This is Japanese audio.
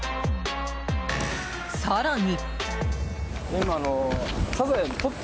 更に。